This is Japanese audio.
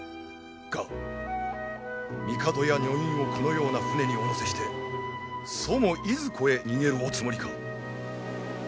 が帝や女院をこのような船にお乗せしてそもいずこへ逃げるおつもりか？